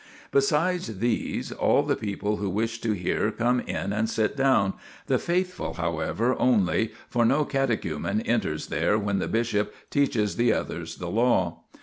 Besides these, all the people who wish to hear come in and sit down the faithful however only, for no catechumen enters there when the bishop teaches the others the Law.